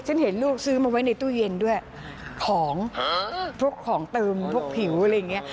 ฉันเห็นลูกซื้อมาไว้ในตู้เย็นด้วยของทุกของเติมทุกผิวอะไรอย่างนี้